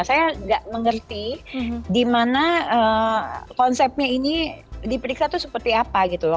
saya nggak mengerti di mana konsepnya ini diperiksa itu seperti apa gitu loh